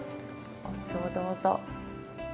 お酢をどうぞ。